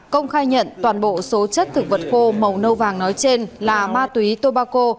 công khai nhận toàn bộ số chất thực vật khô màu nâu vàng nói trên là ma túy tobacco